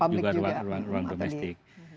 nah yang bergeser itu juga di ruang ruang publik